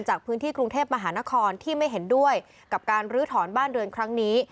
จากพื้นที่กรุงเทพมหานครที่ไม่เห็นด้วยกับการลื้อถอนบ้านเรือนครั้งนี้